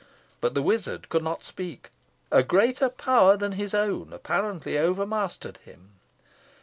But the wizard could not speak. A greater power than his own apparently overmastered him.